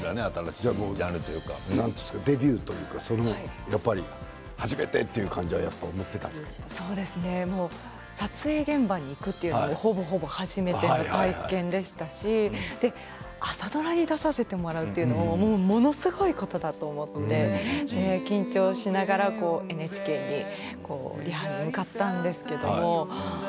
デビューというか初めて撮影現場に行くということがほぼほぼ初めての体験でしたし朝ドラに出させてもらうということは、ものすごいことだと思って緊張しながらＮＨＫにリハに向かったんですけれど